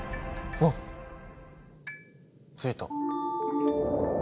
あっついた。